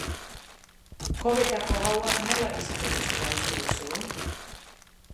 Kobetako gaua nola biziko duzula uste duzu?